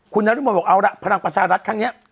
คุณนรมนบอกเอาล่ะพลังประชารัฐครั้งนี้